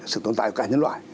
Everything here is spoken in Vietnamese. sự tồn tại của cả nhân loại